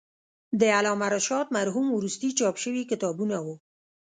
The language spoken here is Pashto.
د علامه رشاد مرحوم وروستي چاپ شوي کتابونه و.